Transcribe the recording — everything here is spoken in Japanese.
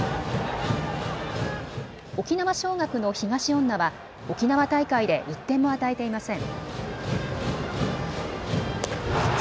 沖縄尚学の東恩納は沖縄大会で１点も与えていません。